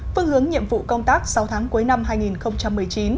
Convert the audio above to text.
phương hướng nhiệm vụ công tác sáu tháng cuối năm hai nghìn một mươi chín